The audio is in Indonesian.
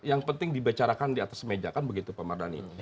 yang penting dibicarakan di atas meja kan begitu pak mardhani